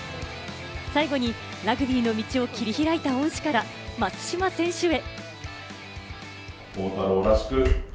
最後にラグビーの道を切り開いた恩師から松島選手へ。